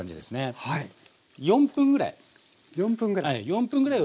４分ぐらい。